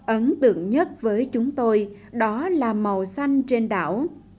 ấn tượng nhất với chúng tôi đó là màu xanh trên đảo